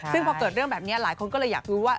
ซึ่งพอเกิดเรื่องแบบนี้หลายคนก็เลยอยากรู้ว่า